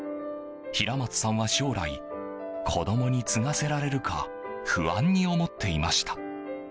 平松さんは将来子供に継がせられるか不安に思っていました。